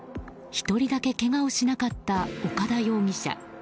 １人だけけがをしなかった岡田容疑者。